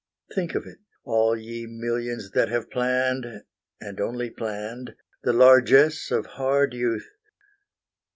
Think of it, all ye millions that have planned, And only planned, the largess of hard youth!